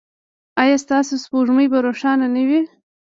ایا ستاسو سپوږمۍ به روښانه نه وي؟